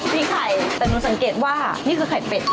มีไข่แต่หนูสังเกตว่านี่คือไข่เป็ด